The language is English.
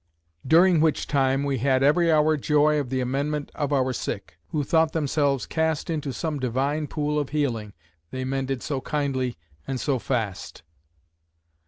During which time, we had every hour joy of the amendment of our sick; who thought themselves cast into some divine pool of healing; they mended so kindly, and so fast.